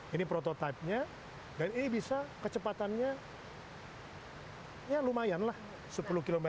ini prototipenya dan ini bisa kecepatannya ya lumayan lah sepuluh km